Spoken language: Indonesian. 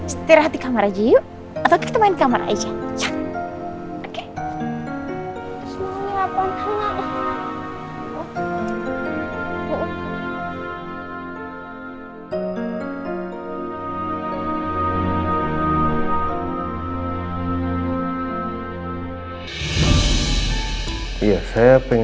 setir hati kamar aja yuk